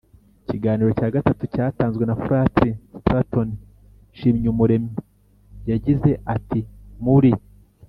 ikiganiro cya gatatu cyatanzwe na fratri straton nshimyumuremyi. yagize ati : «muri